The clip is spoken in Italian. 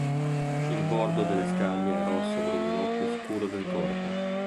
Il bordo delle scaglie è rosso bruno più scuro del corpo.